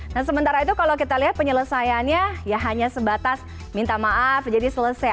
nah sementara itu kalau kita lihat penyelesaiannya ya hanya sebatas minta maaf jadi selesai